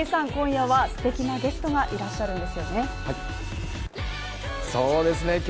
今夜はすてきなゲストがいらっしゃるんですよね。